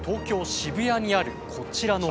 渋谷にあるこちらの会社。